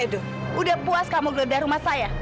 edo sudah puas kamu gelondah rumah saya